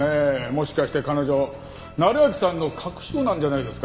もしかして彼女成章さんの隠し子なんじゃないですか？